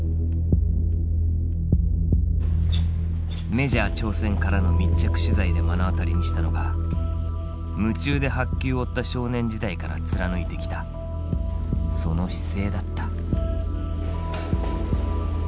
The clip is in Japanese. メジャー挑戦からの密着取材で目の当たりにしたのが夢中で白球を追った少年時代から貫いてきたその姿勢だった。